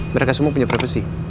mereka semua punya privasi